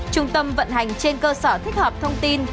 trung tâm vận hành trên cơ sở thích hợp thông tin